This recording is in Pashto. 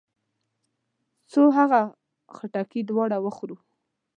څو هغه خټکي دواړه وخورو.